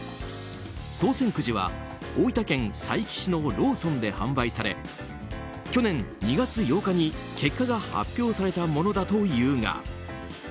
当せんくじは大分県佐伯市のローソンで販売され去年２月８日に結果が発表されたものだというが。